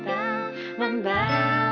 gue mau nunggu